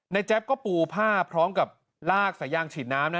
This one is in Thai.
แจ๊บก็ปูผ้าพร้อมกับลากสายยางฉีดน้ำนะ